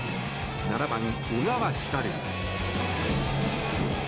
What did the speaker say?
７番、小川輝。